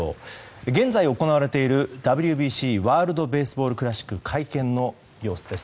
現在行われているＷＢＣ・ワールド・ベースボール・クラシックの会見の様子です。